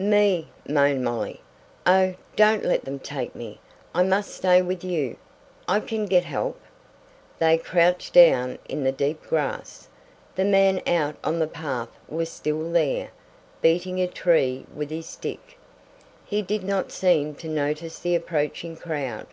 "Me!" moaned Molly. "Oh, don't let them take me! I must stay with you. I can get help " They crouched down in the deep grass. The man out on the path was still there, beating a tree with his stick. He did not seem to notice the approaching crowd.